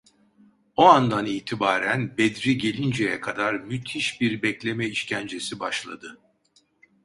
O andan itibaren Bedri gelinceye kadar müthiş bir bekleme işkencesi başladı.